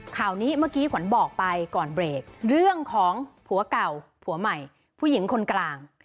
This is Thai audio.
ข่าวนี้เมื่อกี้ขวัญบอกไปก่อนเบรกเรื่องของผัวเก่าผัวใหม่ผู้หญิงคนกลาง